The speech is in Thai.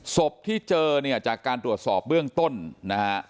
ศพที่เจอเนี่ยจากการตรวจสอบเบื้องต้นนะฮะ